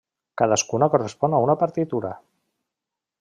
Cadascuna correspon a una partitura.